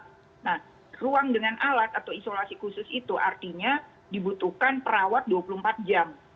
nah ruang dengan alat atau isolasi khusus itu artinya dibutuhkan perawat dua puluh empat jam